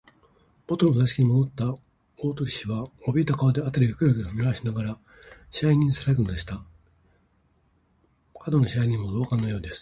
もとの座敷にもどった大鳥氏は、おびえた顔で、あたりをキョロキョロと見まわしながら、支配人にささやくのでした。門野支配人も同感のようです。